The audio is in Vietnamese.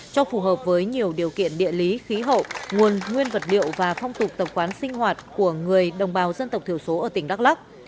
cho phù hợp với nhiều điều kiện địa lý khí hậu nguồn nguyên vật liệu và phong tục tập quán sinh hoạt của người đồng bào dân tộc thiểu số ở tỉnh đắk lắc